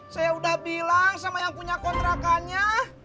saya udah bilang sama yang punya kontrakannya